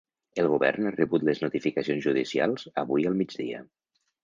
El govern ha rebut les notificacions judicials avui al migdia.